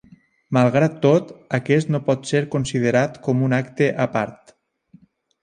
Malgrat tot, aquest no pot ser considerat com un acte a part.